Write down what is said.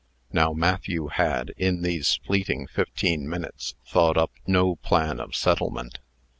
Now Matthew had, in these fleeting fifteen minutes, thought up no plan of settlement.